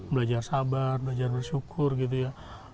belajar sabar belajar bersyukur gitu ya